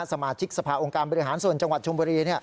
สมาชิกสภาองค์การบริหารส่วนจังหวัดชมบุรี